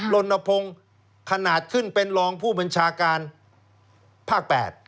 ลนพงศ์ขนาดขึ้นเป็นรองผู้บัญชาการภาค๘